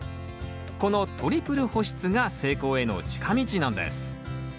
このトリプル保湿が成功への近道なんです